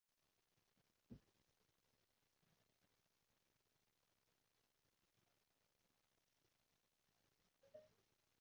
真係夠晒吹水，使唔使每日啷口刷牙沖涼瞓覺都滙報下，噉樣創造多啲語料